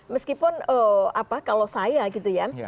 meskipun kalau saya gitu ya